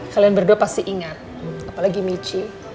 kalian berdua pasti ingat apalagi michi